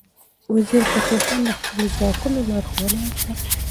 وزیرفتح خان د خپلو ځواکونو لارښوونه وکړه.